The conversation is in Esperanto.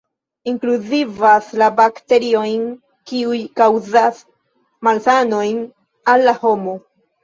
Inkluzivas la bakteriojn kiuj kaŭzas malsanojn al la homo.